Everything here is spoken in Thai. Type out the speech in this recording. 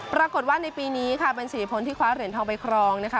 ปรากฏว่าในปีนี้ค่ะเป็นสิริพลที่คว้าเหรียญทองไปครองนะคะ